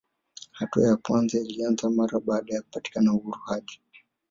Hatua ya kwanza ilianza mara baada ya kupatikana uhuru hadi